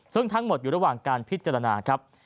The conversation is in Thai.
ซึ่งทั้งหมดอยู่ระหว่างการพิจารณาครับ